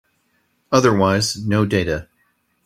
Otherwise, no data.